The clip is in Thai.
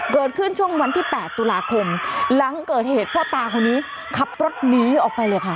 เกิดขึ้นช่วงวันที่๘ตุลาคมหลังเกิดเหตุพ่อตาคนนี้ขับรถหนีออกไปเลยค่ะ